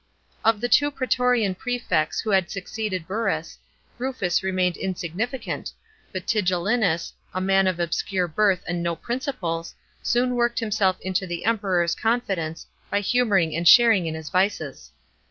§ 9. Of the two prsetorian prefects who had succeeded Burrus, Rufus remained insignificant, but Tigellinus, a man of obscure birth and no principles, soon worked himself into the Emperor's confidence, by humouring and sharing in his vices.